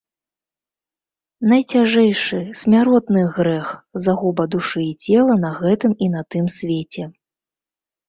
Найцяжэйшы, смяротны грэх, загуба душы і цела на гэтым і на тым свеце!